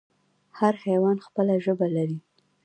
هر حیوان خپله ژبه لري